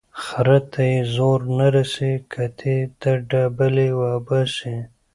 ـ خره ته يې زور نه رسي کتې ته ډبلي اوباسي.